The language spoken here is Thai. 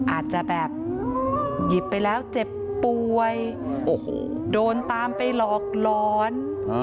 อาจจะแบบหยิบไปแล้วเจ็บป่วยโอ้โหโดนตามไปหลอกร้อน